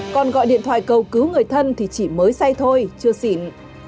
còn gọi điện thoại cầu cứu người thân thì chỉ mới say thôi chưa xỉn